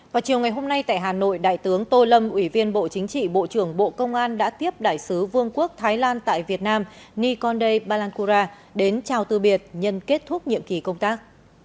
vào chiều ngày hôm nay tại hà nội đại tướng tô lâm ủy viên bộ chính trị bộ trưởng bộ công an đã tiếp đại sứ vương quốc thái lan tại việt nam nikonde balancura đến chào tư biệt nhân kết thúc nhiệm kỳ công tác